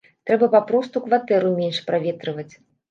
Трэба папросту кватэру менш праветрываць.